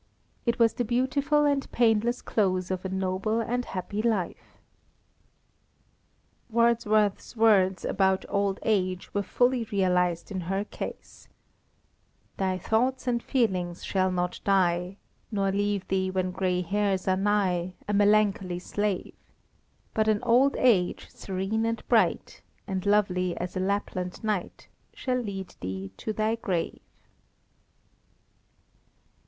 It was the beautiful and painless close of a noble and happy life." Wordsworth's words about old age were fully realised in her case— Thy thoughts and feelings shall not die, Nor leave thee when gray hairs are nigh, A melancholy slave; But an old age, serene and bright, And lovely as a Lapland night, Shall lead thee to thy grave.